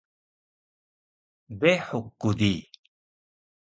Dehuk ku di